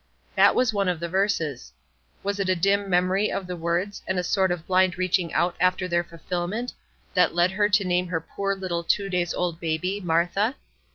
That was one of the verses. Was it a dim memory of the words, and a sort of blind reaching out after their fulfilment, that led her to name her poor little two days old baby, Martha?